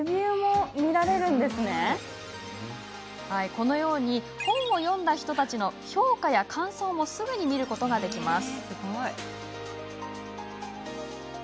このように本を読んだ人たちの評価や感想もすぐに見ることができます。